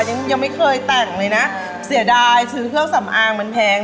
ยังยังไม่เคยแต่งเลยนะเสียดายซื้อเครื่องสำอางมันแพง